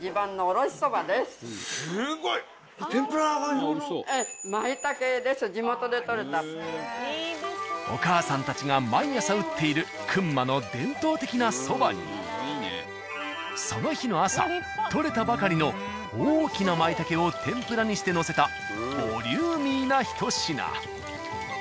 すごい！お母さんたちが毎朝打っている熊の伝統的なそばにその日の朝取れたばかりの大きな舞茸を天ぷらにして載せたボリューミーなひと品。